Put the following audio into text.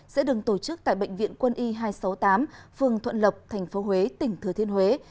sẽ được tổ chức tại bệnh viện quân y hai trăm sáu mươi tám phường thuận lộc tp huế tỉnh thừa thiên huế